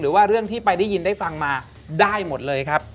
หรือว่าเรื่องที่ไปได้ยินได้ฟังมาได้หมดเลยครับ